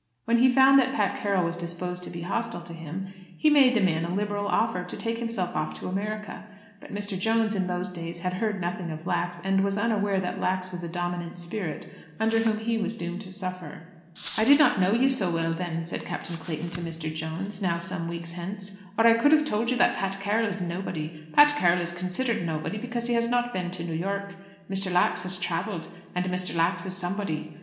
When he found that Pat Carroll was disposed to be hostile to him, he made the man a liberal offer to take himself off to America. But Mr. Jones, in those days, had heard nothing of Lax, and was unaware that Lax was a dominant spirit under whom he was doomed to suffer. "I did not know you so well then," said Captain Clayton to Mr. Jones, now some weeks hence, "or I could have told you that Pat Carroll is nobody. Pat Carroll is considered nobody, because he has not been to New York. Mr. Lax has travelled, and Mr. Lax is somebody.